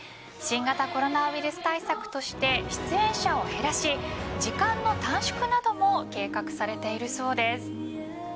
新型コロナウイルス対策として出演者を減らし時間の短縮なども計画されているそうです。